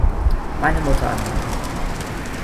Meine Mutter anrufen.